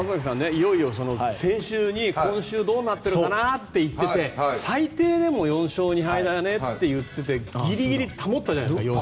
いよいよ先週に今週どうなっているかなって言ってて最低でも４勝２敗と言っててギリギリ保ったじゃないですか。